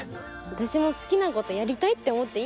私も好きなことやりたいって思っていいよね？